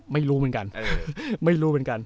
ไม่รู้เหมือนกัน